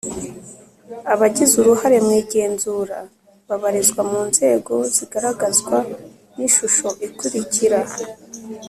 Abagize uruhare mu igenzura babarizwa mu nzego zigaragazwa n ishusho ikurikira